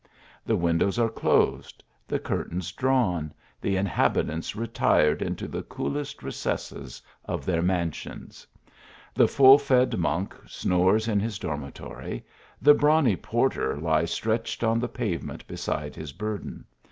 The windows are closed ; the curtains drawn ; the inhabitants retired into the coolest recesses of their mansions. The full fed monk snores in his dormitory. The brawny por ter lies stretched on the pavement beside his bur den.